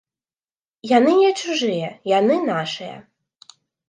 Яны не чужыя, яны нашыя.